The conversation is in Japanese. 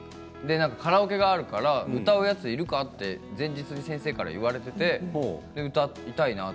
カラオケがあるから歌うやついるかって前日に先生から言われていて歌いたいなと。